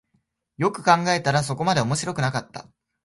よく考えたらそこまで面白くなかった